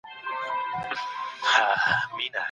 آیا اقلیم بدلون په ټولنه اغېزه کوي؟